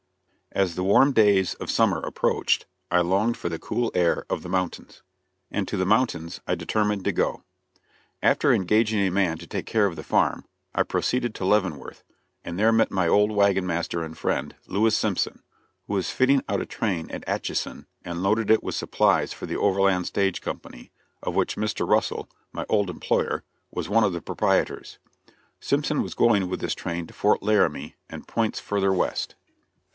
As the warm days of summer approached I longed for the cool air of the mountains; and to the mountains I determined to go. After engaging a man to take care of the farm, I proceeded to Leavenworth and there met my old wagon master and friend, Lewis Simpson, who was fitting out a train at Atchison and loading it with supplies for the Overland Stage Company, of which Mr. Russell, my old employer, was one of the proprietors. Simpson was going with this train to Fort Laramie and points further west.